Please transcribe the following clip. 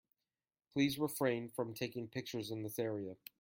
Please refrain from taking pictures in this area.